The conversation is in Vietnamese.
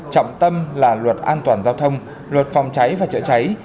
trọng tâm là luật an toàn giao thông luật phòng cháy và chữa cháy